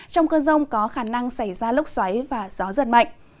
trong cơn rông có khả năng xảy ra lốc xoáy và gió giật mạnh